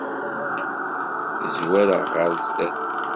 Zwareɣ ɣer zdat.